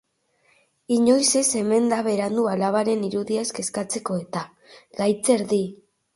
Inoiz ez omen da berandu alabaren irudiaz kezkatzeko eta, gaitzerdi.